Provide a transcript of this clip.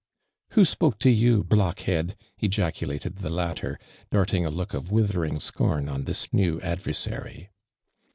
'• Who spoke to you, block head?" ejacu lated the latter, darting a look of withering scorn on this new adversary.